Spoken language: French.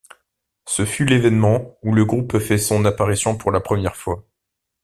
Ce fut l'événement où le groupe fait son apparition pour la première fois.